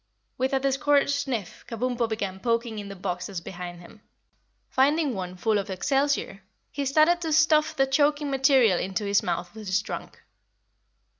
With a discouraged sniff Kabumpo began poking in the boxes behind him. Finding one full of excelsior, he started to stuff the choking material into his mouth with his trunk.